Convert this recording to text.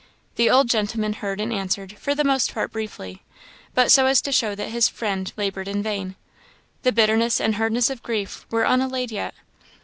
The old gentleman heard and answered, for the most part briefly, but so as to show that his friend laboured in vain; the bitterness and hardness of grief were unallayed yet.